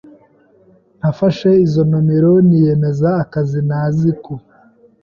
Nafashe izo nimero niyemeza akazi ntaziko